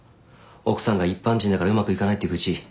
奥さんが一般人だからうまくいかないって愚痴。